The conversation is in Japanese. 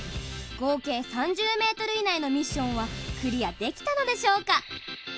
合計３０ｍ以内のミッションはクリアできたのでしょうか？